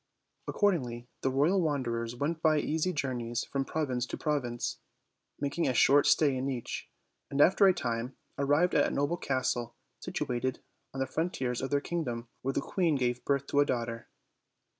Accordingly the royil wanderers went by easy journeys from province to province, making a short stay in each, and after a time arrived at a noble castle situated on the frontiers of their kingdom, where the queen gave birth to a daughter.